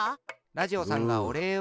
ラジオさんがおれいを。